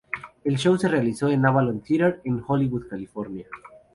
El show se realizó en el Avalon Theater en Hollywood California.